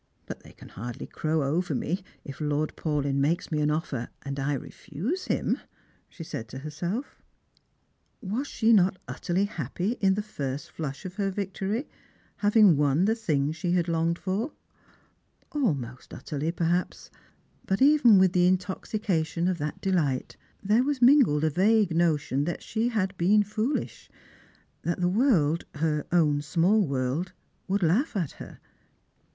" But they can hardly crow over me if Lord Paulyn makes me an offer, and I refuse him," she said to herself. "Was she not utterly happy in the first flush of her victory, having won the thing she had longed for P Almost utterly, per haps ; but even with the intoxication of that delight there was mingled a vague notion that she had been foolish, that the world — her own small world — would laugh at her.